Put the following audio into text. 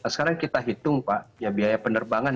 sekarang kita hitung pak ya biaya penerbangan